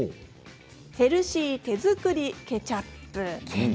ヘルシー手作りケチャップ。